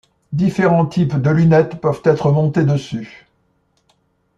Différents types de lunettes peuvent être montées dessus.